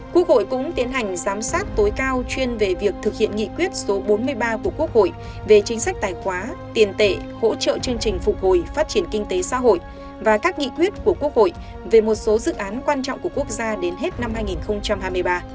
quốc hội cũng tiến hành giám sát tối cao chuyên về việc thực hiện nghị quyết số bốn mươi ba của quốc hội về chính sách tài khóa tiền tệ hỗ trợ chương trình phục hồi phát triển kinh tế xã hội và các nghị quyết của quốc hội về một số dự án quan trọng của quốc gia đến hết năm hai nghìn hai mươi ba